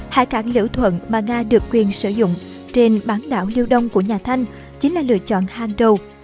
hải cảng lữ thuận mà nga được quyền sử dụng trên bán đảo liêu đông của nhà thanh chính là lựa chọn hang đầu